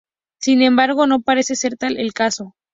Sin embargo, no parecer ser tal el caso.